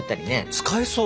使えそう。